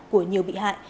của nhiều bị hại